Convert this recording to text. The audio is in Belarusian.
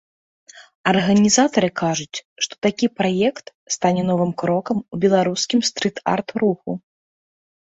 Арганізатары кажуць, што такі праект стане новым крокам у беларускім стрыт-арт руху.